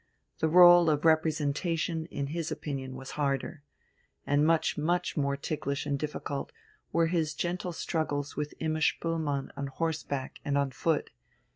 The rôle of representation, in his opinion, was harder. And much, much more ticklish and difficult were his gentle struggles with Imma Spoelmann on horseback and on foot.